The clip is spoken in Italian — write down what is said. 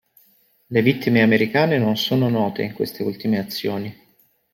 Le vittime americane non sono note in queste ultime azioni.